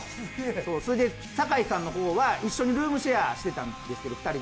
それで坂井さんの方は一緒にルームシェアを２人でしてたんですけど